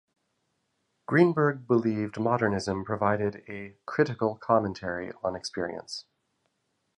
Greenberg believed Modernism provided a "critical" commentary on experience.